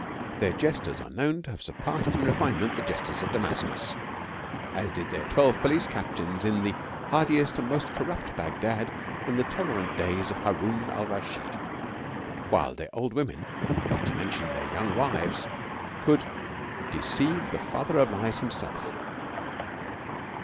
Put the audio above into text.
Their jesters are known to have surpassed in refinement the jesters of Damascus, as did their twelve police captains the hardiest and most corrupt of Bagdad in the tolerant days of Harun al Raschid; while their old women, not to mention their young wives, could deceive the Father of Lies himself.